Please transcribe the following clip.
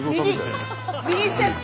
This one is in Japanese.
右ステップ。